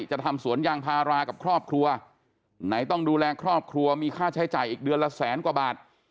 ทำสวนยางพารากับครอบครัวไหนต้องดูแลครอบครัวมีค่าใช้จ่ายอีกเดือนละแสนกว่าบาท